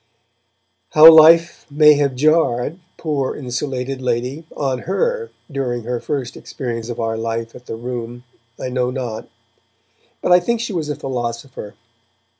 How life may have jarred, poor insulated lady, on her during her first experience of our life at the Room, I know not, but I think she was a philosopher.